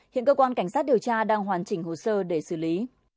hiện cơ quan cảnh sát điều tra đang hoàn chỉnh hồ sơ để xử lý